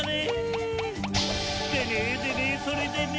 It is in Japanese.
でねでねそれでね